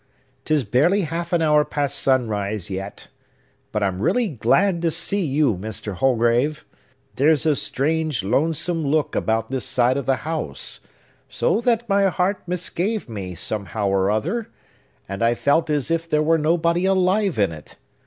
'Tis barely half an hour past sunrise, yet. But I'm really glad to see you, Mr. Holgrave! There's a strange, lonesome look about this side of the house; so that my heart misgave me, somehow or other, and I felt as if there was nobody alive in it.